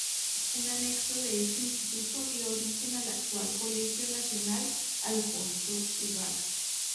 Un anexo de este Instituto dio origen al actual Colegio Nacional Alfonso Ugarte.